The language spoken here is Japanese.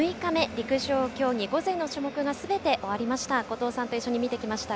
陸上競技午前の種目がすべて終わりました。